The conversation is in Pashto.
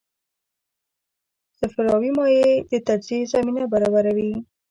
صفراوي مایع د تجزیې زمینه برابروي.